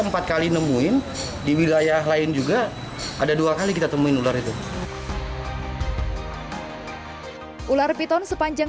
empat kali nemuin di wilayah lain juga ada dua kali kita temuin ular itu ular piton sepanjang